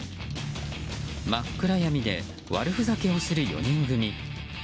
真っ暗闇で悪ふざけをする４人組。